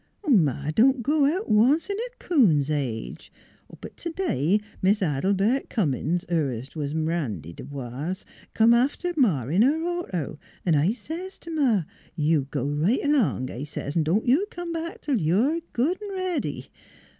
" Ma don't go out once in a coon's age; but t'day Mis' Adelbert Cummins her t' was M'randy D'boise come after Ma in her auto, 'n' I says t' Ma, ' You go right along,' I says, ' 'n' don't you come back tell you're good 'n' ready.'